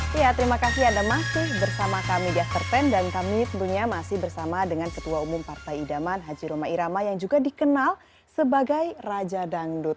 ya terima kasih anda masih bersama kami di after sepuluh dan kami tentunya masih bersama dengan ketua umum partai idaman haji roma irama yang juga dikenal sebagai raja dangdut